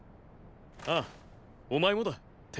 ああお前もだ貂。